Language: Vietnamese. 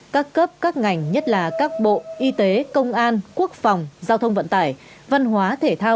các cấp các ngành nhất là các bộ y tế công an quốc phòng giao thông vận tải văn hóa thể thao